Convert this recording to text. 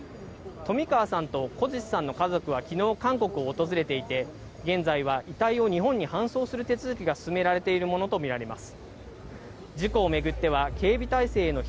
冨川さんと小槌さんの家族は昨日、韓国を訪れていて、現在は遺体を日本に搬送する手続きが進めているものとみられます。